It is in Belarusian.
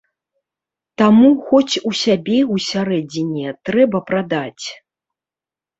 Таму хоць у сябе ўсярэдзіне трэба прадаць.